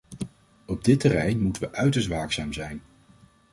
Op dit terrein moeten we uiterst waakzaam zijn.